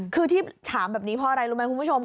คือที่ถามแบบนี้เพราะอะไรรู้ไหมคุณผู้ชม